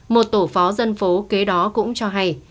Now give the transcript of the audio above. một tổ phó dân phố kế đó cũng cho hay